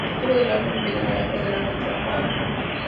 El título del álbum viene de la letra de la canción "Hangman".